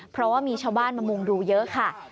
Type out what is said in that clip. เพราะว่ามีชาวบ้านมามุงดูเยอะค่ะ